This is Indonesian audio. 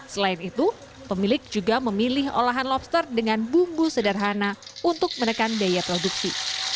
selain itu pemilik juga memilih olahan lobster dengan bumbu sederhana untuk menekan biaya produksi